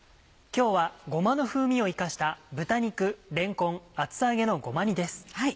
今日はごまの風味を生かした「豚肉れんこん厚揚げのごま煮」です。